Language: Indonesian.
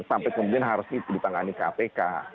sampai kemudian harus dipanggali kpk